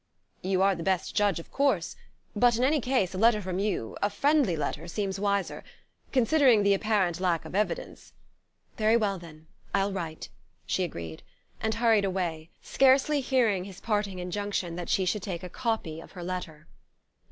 "You are the best judge, of course. But in any case, a letter from you, a friendly letter, seems wiser... considering the apparent lack of evidence...." "Very well, then; I'll write," she agreed, and hurried away, scarcely hearing his parting injunction that she should take a copy of her letter.